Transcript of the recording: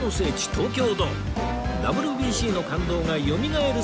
東京ドームＷＢＣの感動がよみがえる